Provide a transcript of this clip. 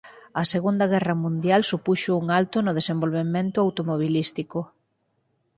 A Segunda Guerra Mundial supuxo un alto no desenvolvemento automobilístico.